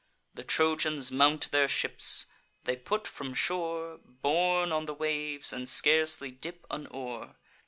The Trojans mount their ships; they put from shore, Borne on the waves, and scarcely dip an oar.